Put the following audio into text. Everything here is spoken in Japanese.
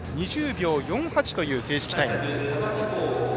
２０秒４８という正式タイム。